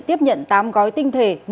tiếp nhận tám gói tinh thể